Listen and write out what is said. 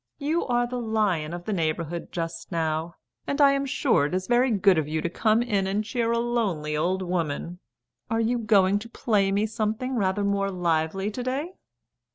"You are the lion of the neighbourhood just now; and I'm sure it is very good of you to come in and cheer a lonely old woman. Are you going to play me something rather more lively to day?"